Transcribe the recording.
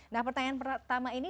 nah pertanyaan pertama ini